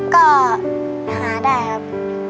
ก็หาได้ครับ